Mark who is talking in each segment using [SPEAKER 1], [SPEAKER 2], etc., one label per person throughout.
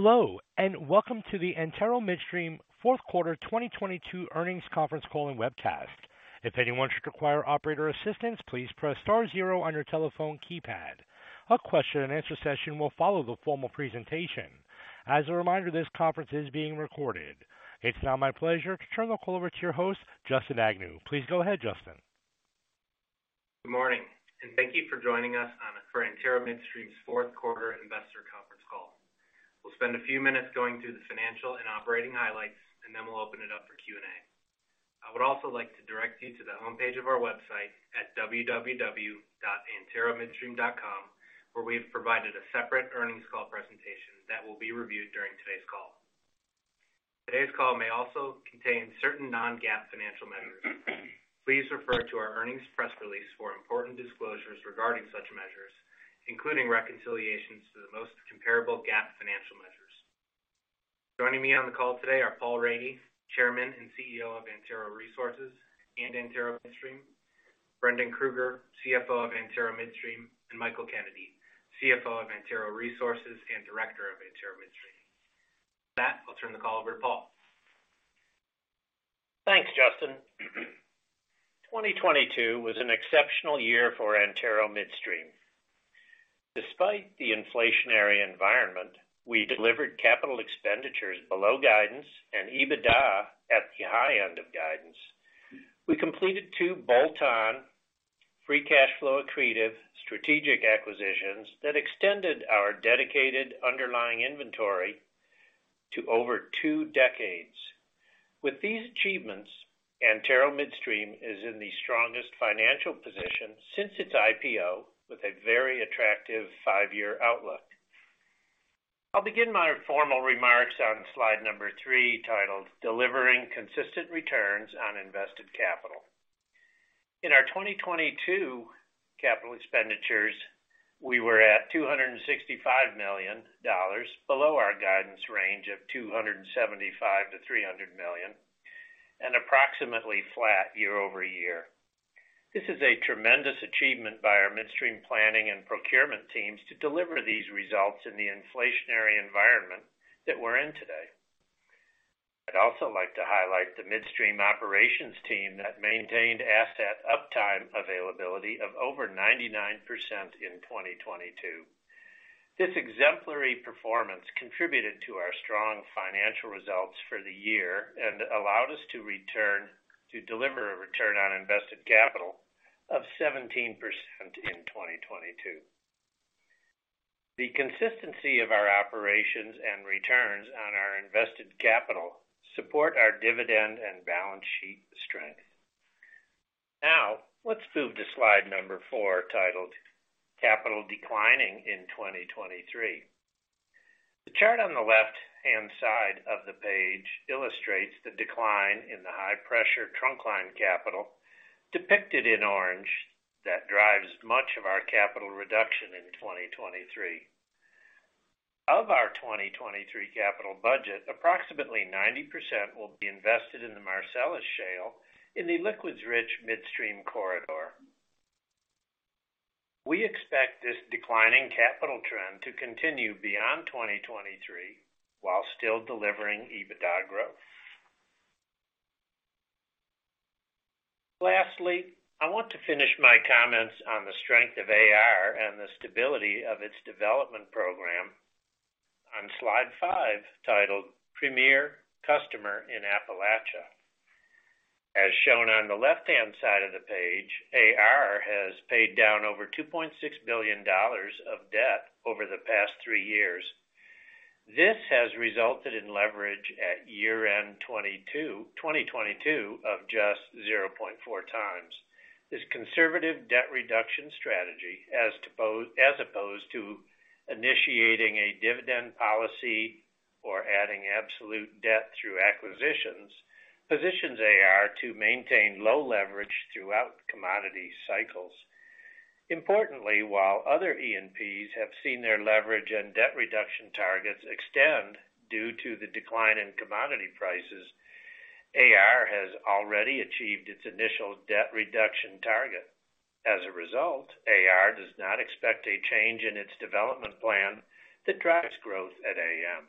[SPEAKER 1] Hello, and welcome to the Antero Midstream Fourth Quarter 2022 Earnings Conference Call and webcast. If anyone should require operator assistance, please press star zero on your telephone keypad. A question-and-answer session will follow the formal presentation. As a reminder, this conference is being recorded. It's now my pleasure to turn the call over to your host, Justin Agnew. Please go ahead, Justin.
[SPEAKER 2] Good morning. Thank you for joining us on Antero Midstream's fourth quarter investor conference call. We'll spend a few minutes going through the financial and operating highlights. Then we'll open it up for Q&A. I would also like to direct you to the homepage of our website at www.anteromidstream.com, where we've provided a separate earnings call presentation that will be reviewed during today's call. Today's call may also contain certain non-GAAP financial measures. Please refer to our earnings press release for important disclosures regarding such measures, including reconciliations to the most comparable GAAP financial measures. Joining me on the call today are Paul M. Rady, Chairman and CEO of Antero Resources and Antero Midstream, Brendan E. Krueger, CFO of Antero Midstream, and Michael Kennedy, CFO of Antero Resources and Director of Antero Midstream. With that, I'll turn the call over to Paul.
[SPEAKER 3] Thanks, Justin. 2022 was an exceptional year for Antero Midstream. Despite the inflationary environment, we delivered capital expenditures below guidance and EBITDA at the high end of guidance. We completed two bolt-on free cash flow accretive strategic acquisitions that extended our dedicated underlying inventory to over two decades. With these achievements, Antero Midstream is in the strongest financial position since its IPO with a very attractive five-year outlook. I'll begin my formal remarks on slide number three, titled Delivering Consistent Returns on Invested Capital. In our 2022 capital expenditures, we were at $265 million below our guidance range of $275 million-$300 million and approximately flat year-over-year. This is a tremendous achievement by our midstream planning and procurement teams to deliver these results in the inflationary environment that we're in today. I'd also like to highlight the midstream operations team that maintained asset uptime availability of over 99% in 2022. This exemplary performance contributed to our strong financial results for the year and allowed us to deliver a return on invested capital of 17% in 2022. The consistency of our operations and returns on our invested capital support our dividend and balance sheet strength. Let's move to slide number four, titled Capital Declining in 2023. The chart on the left-hand side of the page illustrates the decline in the high-pressure trunkline capital depicted in orange that drives much of our capital reduction in 2023. Of our 2023 capital budget, approximately 90% will be invested in the Marcellus Shale in the liquids-rich midstream corridor. We expect this declining capital trend to continue beyond 2023 while still delivering EBITDA growth. Lastly, I want to finish my comments on the strength of AR and the stability of its development program on slide five, titled Premier Customer in Appalachia. As shown on the left-hand side of the page, AR has paid down over $2.6 billion of debt over the past three years. This has resulted in leverage at year-end 2022 of just 0.4 times. This conservative debt reduction strategy, as opposed to initiating a dividend policy or adding absolute debt through acquisitions, positions AR to maintain low leverage throughout commodity cycles. Importantly, while other E&Ps have seen their leverage and debt reduction targets extend due to the decline in commodity prices, AR has already achieved its initial debt reduction target. As a result, AR does not expect a change in its development plan that drives growth at AM.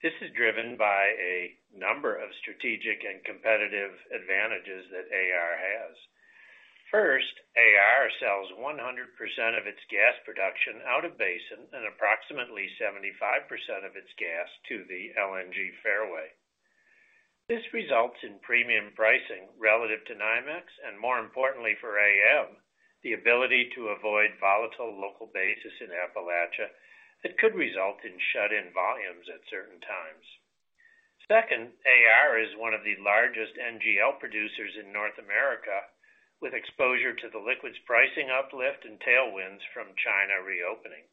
[SPEAKER 3] This is driven by a number of strategic and competitive advantages that AR has. First, AR sells 100% of its gas production out of basin and approximately 75% of its gas to the LNG fairway. This results in premium pricing relative to NYMEX, and more importantly for AM, the ability to avoid volatile local basis in Appalachia that could result in shut-in volumes at certain times. Second, AR is one of the largest NGL producers in North America, with exposure to the liquids pricing uplift and tailwinds from China reopening.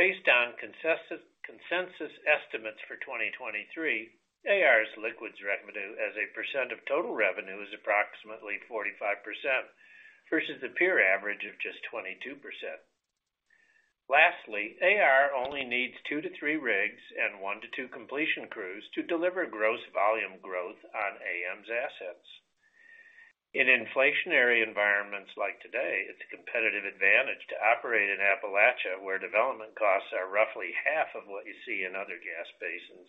[SPEAKER 3] Based on consensus estimates for 2023, AR's liquids revenue as a percent of total revenue is approximately 45% versus a peer average of just 22%. Lastly, AR only needs two to three rigs and one to two completion crews to deliver gross volume growth on AM's assets. In inflationary environments like today, it's a competitive advantage to operate in Appalachia, where development costs are roughly half of what you see in other gas basins.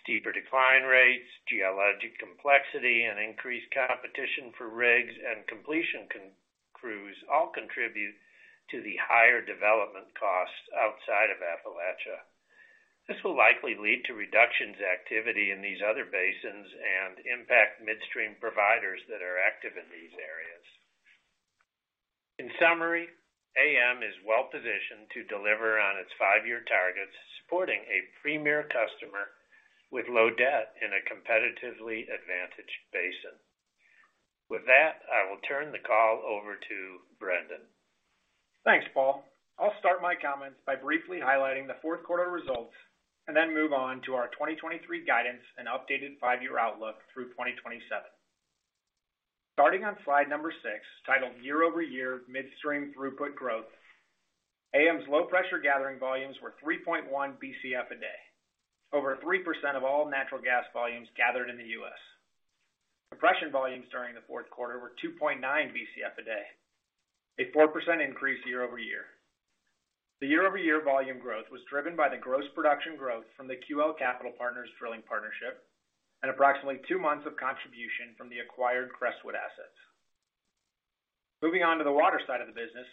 [SPEAKER 3] Steeper decline rates, geologic complexity, and increased competition for rigs and completion crews all contribute to the higher development costs outside of Appalachia. This will likely lead to reductions activity in these other basins and impact midstream providers that are active in these areas. In summary, AM is well-positioned to deliver on its five-year targets, supporting a premier customer with low debt in a competitively advantaged basin. With that, I will turn the call over to Brendan.
[SPEAKER 4] Thanks, Paul. I'll start my comments by briefly highlighting the 4th quarter results, and then move on to our 2023 guidance and updated 5-year outlook through 2027. Starting on slide number 6, titled Year-over-Year Midstream Throughput Growth, AM's low pressure gathering volumes were 3.1 Bcf a day, over 3% of all natural gas volumes gathered in the U.S. Compression volumes during the 4th quarter were 2.9 Bcf a day, a 4% increase year-over-year. The year-over-year volume growth was driven by the gross production growth from the QL Capital Partners drilling partnership, and approximately two months of contribution from the acquired Crestwood assets. Moving on to the water side of the business,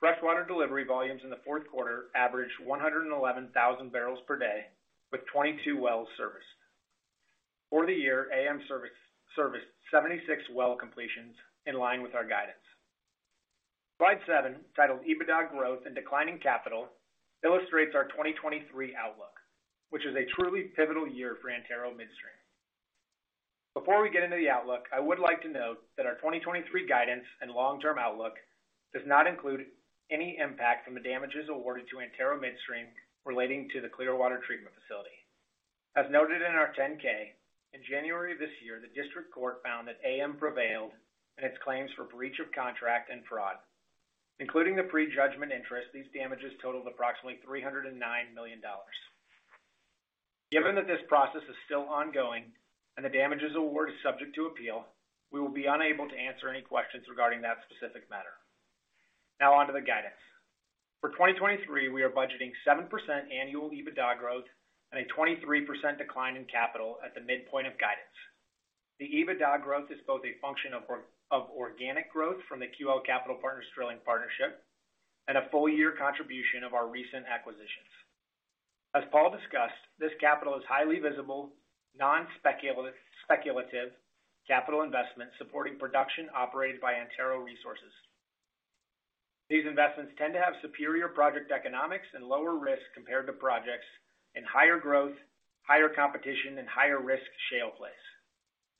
[SPEAKER 4] fresh water delivery volumes in the 4th quarter averaged 111,000 barrels per day with 22 wells serviced. For the year, AM serviced 76 well completions in line with our guidance. Slide seven, titled EBITDA Growth and Declining Capital, illustrates our 2023 outlook, which is a truly pivotal year for Antero Midstream. Before we get into the outlook, I would like to note that our 2023 guidance and long-term outlook does not include any impact from the damages awarded to Antero Midstream relating to the Clearwater Treatment Facility. As noted in our 10-K, in January of this year, the district court found that AM prevailed in its claims for breach of contract and fraud. Including the prejudgment interest, these damages totaled approximately $309 million. Given that this process is still ongoing and the damages award is subject to appeal, we will be unable to answer any questions regarding that specific matter. Now on to the guidance. For 2023, we are budgeting 7% annual EBITDA growth and a 23% decline in capital at the midpoint of guidance. The EBITDA growth is both a function of organic growth from the QL Capital Partners drilling partnership and a full year contribution of our recent acquisitions. As Paul discussed, this capital is highly visible, non-speculative capital investment supporting production operated by Antero Resources. These investments tend to have superior project economics and lower risk compared to projects in higher growth, higher competition, and higher risk shale plays.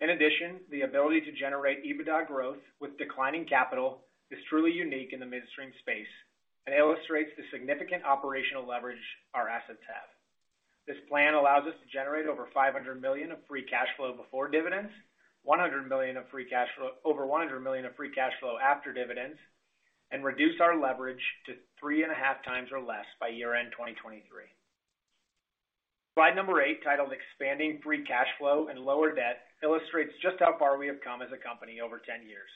[SPEAKER 4] In addition, the ability to generate EBITDA growth with declining capital is truly unique in the midstream space and illustrates the significant operational leverage our assets have. This plan allows us to generate over $500 million of free cash flow before dividends, over $100 million of free cash flow after dividends, and reduce our leverage to 3.5 times or less by year-end 2023. Slide number 8, titled Expanding Free Cash Flow and Lower Debt, illustrates just how far we have come as a company over 10 years.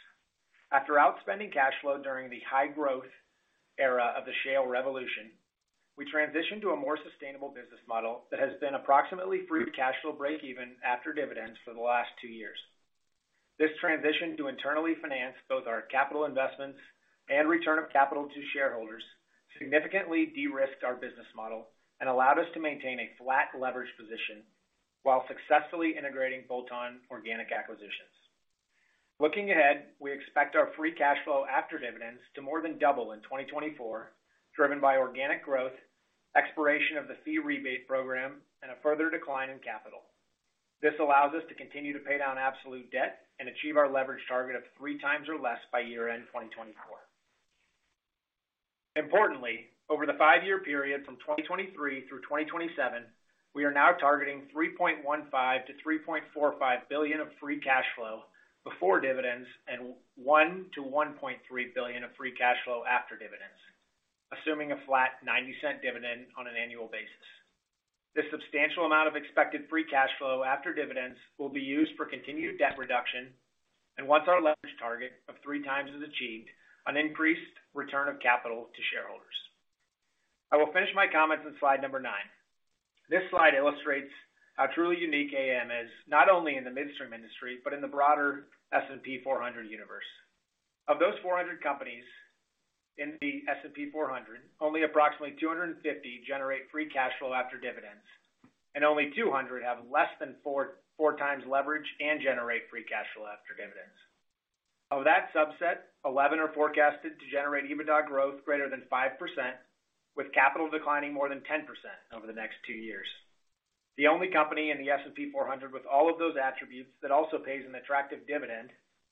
[SPEAKER 4] After outspending cash flow during the high growth era of the shale revolution, we transitioned to a more sustainable business model that has been approximately free cash flow breakeven after dividends for the last two years. This transition to internally finance both our capital investments and return of capital to shareholders significantly de-risked our business model and allowed us to maintain a flat leverage position while successfully integrating bolt-on organic acquisitions. Looking ahead, we expect our free cash flow after dividends to more than double in 2024, driven by organic growth, expiration of the fee rebate program, and a further decline in capital. This allows us to continue to pay down absolute debt and achieve our leverage target of three times or less by year-end 2024. Importantly, over the five-year period from 2023 through 2027, we are now targeting $3.15 billion-$3.45 billion of free cash flow before dividends and $1 billion-$1.3 billion of free cash flow after dividends, assuming a flat $0.90 dividend on an annual basis. This substantial amount of expected free cash flow after dividends will be used for continued debt reduction, and once our leverage target of three times is achieved, an increased return of capital to shareholders. I will finish my comments on slide number nine. This slide illustrates how truly unique AM is, not only in the midstream industry, but in the broader S&P 400 universe. Of those 400 companies in the S&P 400, only approximately 250 generate free cash flow after dividends, and only 200 have less than four times leverage and generate free cash flow after dividends. Of that subset, 11 are forecasted to generate EBITDA growth greater than 5% with capital declining more than 10% over the next two years. The only company in the S&P 400 with all of those attributes that also pays an attractive dividend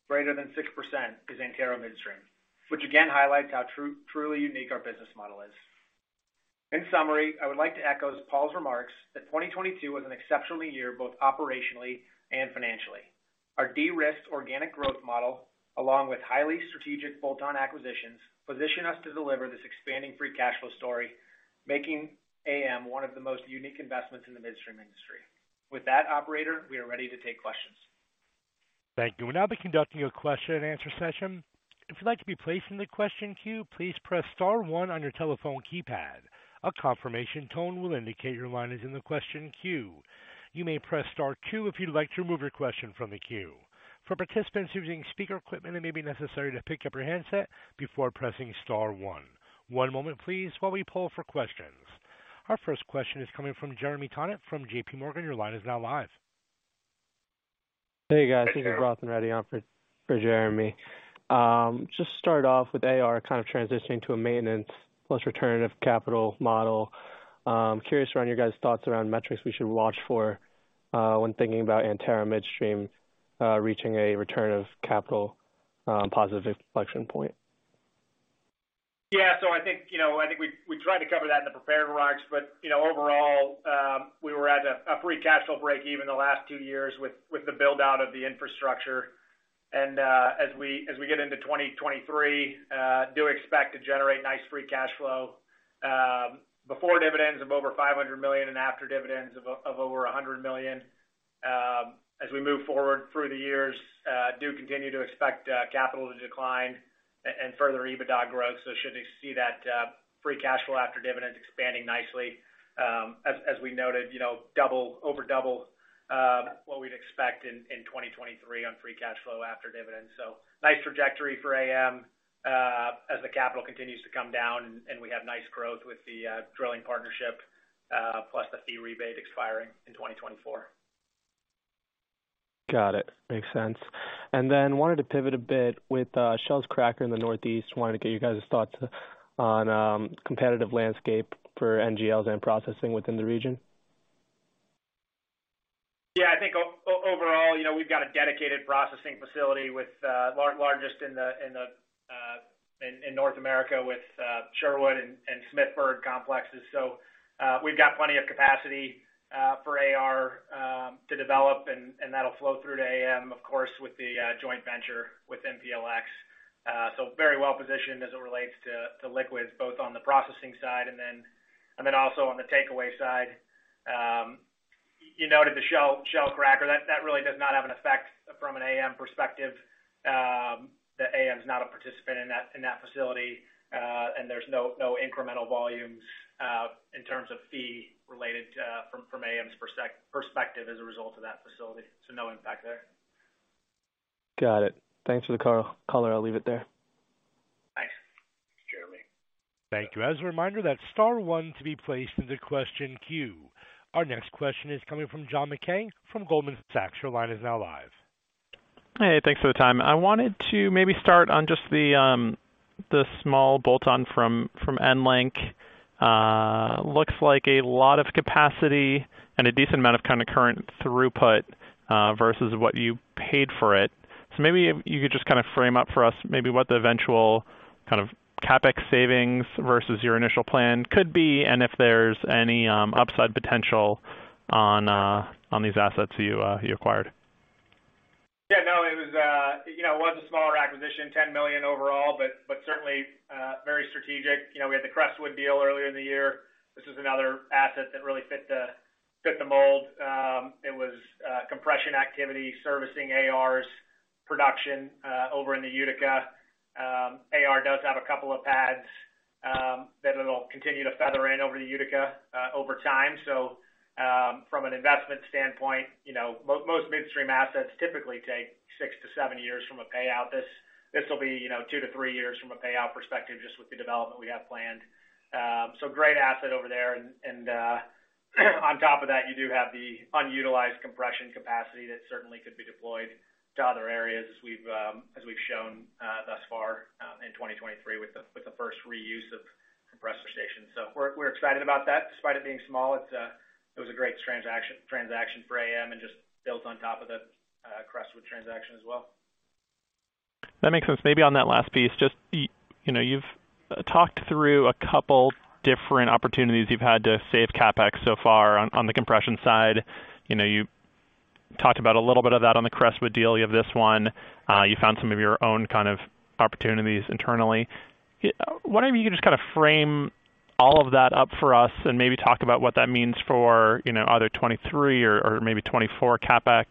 [SPEAKER 4] greater than 6% is Antero Midstream, which again highlights how truly unique our business model is. In summary, I would like to echo Paul's remarks that 2022 was an exceptional year, both operationally and financially. Our de-risked organic growth model, along with highly strategic bolt-on acquisitions, position us to deliver this expanding free cash flow story, making AM one of the most unique investments in the midstream industry. With that, operator, we are ready to take questions.
[SPEAKER 1] Thank you. We'll now be conducting a question and answer session. If you'd like to be placed in the question queue, please press star one on your telephone keypad. A confirmation tone will indicate your line is in the question queue. You may press star two if you'd like to remove your question from the queue. For participants using speaker equipment, it may be necessary to pick up your handset before pressing star one. One moment please while we pull for questions. Our first question is coming from Jeremy Tonet from JPMorgan. Your line is now live.
[SPEAKER 5] Hey, guys.
[SPEAKER 4] Hey, Jeremy.
[SPEAKER 5] This is Roth and Reddy on for Jeremy. Just start off with AR kind of transitioning to a maintenance plus return of capital model. Curious around your guys' thoughts around metrics we should watch for when thinking about Antero Midstream reaching a return of capital positive inflection point.
[SPEAKER 4] Yeah. I think, you know, I think we tried to cover that in the prepared remarks, but, you know, overall, we were at a free cash flow break even the last two years with the build-out of the infrastructure. As we get into 2023, do expect to generate nice free cash flow, before dividends of over $500 million and after dividends of over $100 million. As we move forward through the years, do continue to expect capital to decline and further EBITDA growth. Should see that free cash flow after dividends expanding nicely. As we noted, you know, over double what we'd expect in 2023 on free cash flow after dividends. Nice trajectory for AM, as the capital continues to come down and we have nice growth with the drilling partnership, plus the fee rebate expiring in 2024.
[SPEAKER 5] Got it. Makes sense. Wanted to pivot a bit with Shell's cracker in the Northeast, wanted to get you guys' thoughts on competitive landscape for NGLs and processing within the region.
[SPEAKER 4] I think overall, you know, we've got a dedicated processing facility with largest in the North America with Sherwood and Smithburg complexes. We've got plenty of capacity for AR to develop and that'll flow through to AM, of course, with the joint venture with MPLX. Very well positioned as it relates to liquids, both on the processing side and then also on the takeaway side. You noted the Shell cracker. That really does not have an effect from an AM perspective. The AM is not a participant in that facility, and there's no incremental volumes in terms of fee related to from AM's perspective as a result of that facility. No impact there.
[SPEAKER 5] Got it. Thanks for the call, caller. I'll leave it there.
[SPEAKER 4] Thanks.
[SPEAKER 1] Thank you. As a reminder, that's star one to be placed in the question queue. Our next question is coming from John Mackay from Goldman Sachs. Your line is now live.
[SPEAKER 6] Hey, thanks for the time. I wanted to maybe start on just the small bolt-on from EnLink. Looks like a lot of capacity and a decent amount of kind of current throughput versus what you paid for it. Maybe you could just kind of frame up for us maybe what the eventual kind of CapEx savings versus your initial plan could be and if there's any upside potential on these assets you acquired.
[SPEAKER 4] Yeah. No, it was, it was a smaller acquisition, $10 million overall, but certainly, very strategic. We had the Crestwood deal earlier in the year. This is another asset that really fit the mold. It was compression activity servicing AR's production over in the Utica. AR does have a couple of pads that it'll continue to feather in over to Utica over time. From an investment standpoint, most midstream assets typically take six to seven years from a payout. This will be two to three years from a payout perspective, just with the development we have planned. Great asset over there. On top of that, you do have the unutilized compression capacity that certainly could be deployed to other areas as we've shown thus far in 2023 with the first reuse of compressor station. We're excited about that, despite it being small. It was a great transaction for AM and just builds on top of the Crestwood transaction as well.
[SPEAKER 6] That makes sense. Maybe on that last piece, just, you know, you've talked through a couple different opportunities you've had to save CapEx so far on the compression side. You know, you talked about a little bit of that on the Crestwood deal. You have this one. You found some of your own kinda opportunities internally. I wonder if you can just kinda frame all of that up for us and maybe talk about what that means for, you know, either 23 or maybe 24 CapEx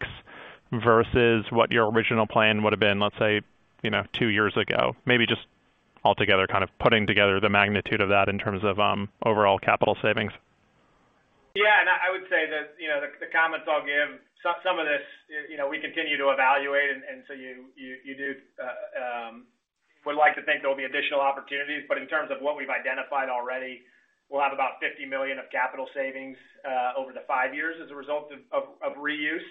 [SPEAKER 6] versus what your original plan would have been, let's say, you know, two years ago. Maybe just altogether kind of putting together the magnitude of that in terms of overall capital savings.
[SPEAKER 4] Yeah. I would say that, you know, the comments I'll give, some of this, you know, we continue to evaluate. You would like to think there'll be additional opportunities. In terms of what we've identified already, we'll have about $50 million of capital savings over the five years as a result of reuse.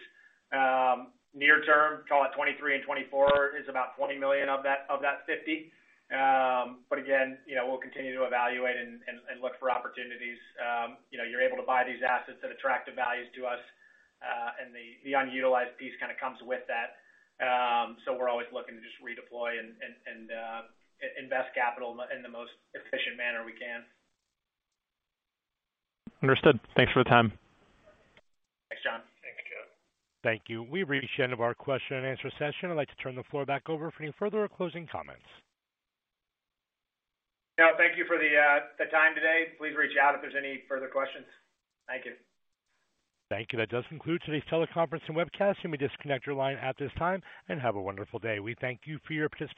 [SPEAKER 4] Near term, call it 2023 and 2024, is about $20 million of that, of that $50 million. Again, you know, we'll continue to evaluate and look for opportunities. You know, you're able to buy these assets at attractive values to us, and the unutilized piece kinda comes with that. We're always looking to just redeploy and invest capital in the most efficient manner we can.
[SPEAKER 6] Understood. Thanks for the time.
[SPEAKER 4] Thanks, John.
[SPEAKER 1] Thank you. We've reached the end of our question and answer session. I'd like to turn the floor back over for any further closing comments.
[SPEAKER 4] No, thank you for the time today. Please reach out if there's any further questions. Thank you.
[SPEAKER 1] Thank you. That does conclude today's teleconference and webcast. You may disconnect your line at this time and have a wonderful day. We thank you for your participation.